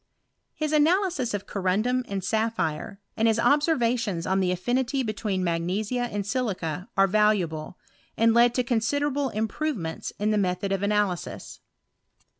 His analysis of corundum and sapphire, and his observations on the affinity between magnesia and silica, are valuable, and led to considerable improve ments in the method of analysis.